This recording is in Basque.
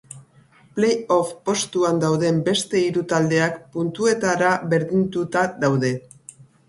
Play-off postuan dauden beste hiru taldeak puntuetara berdinduta daude.